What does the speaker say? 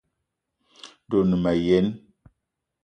De o ne wa yene?